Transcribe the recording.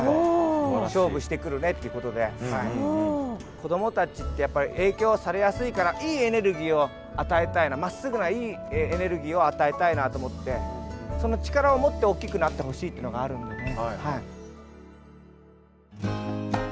子どもたちってやっぱり影響されやすいからいいエネルギーを与えたいなまっすぐないいエネルギーを与えたいなと思ってその力を持って大きくなってほしいというのがあるんでね。